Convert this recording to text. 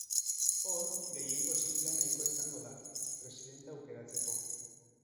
Hor, gehiengo sinplea nahikoa izango da, presidentea aukeratzeko.